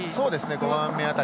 ５番目辺り。